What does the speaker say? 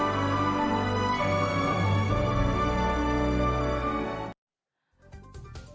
ที่